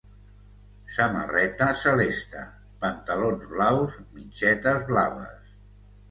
Samarreta celeste, pantalons blaus, mitgetes blaves.